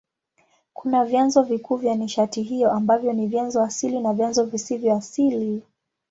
Kuna vyanzo vikuu vya nishati hiyo ambavyo ni vyanzo asili na vyanzo visivyo asili.